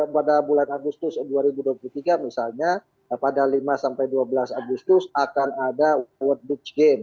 pada bulan agustus dua ribu dua puluh tiga misalnya pada lima sampai dua belas agustus akan ada world beach game